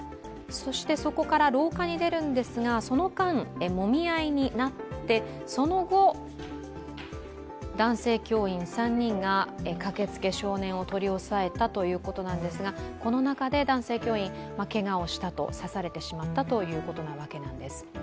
そしてそこから廊下に出るんですがその間、もみ合いになってその後男性教員３人が駆けつけ、少年を取り押さえたということなんですが、この中で男性教員、けがをしたと、刺されてしまったということなわけなんです。